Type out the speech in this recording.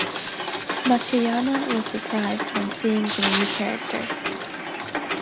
Matsuyama was surprised when seeing the new character.